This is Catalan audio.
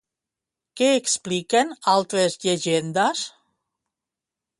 Què expliquen altres llegendes?